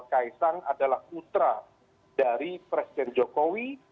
kaisang adalah putra dari presiden jokowi